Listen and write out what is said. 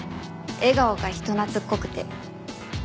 笑顔が人懐っこくて。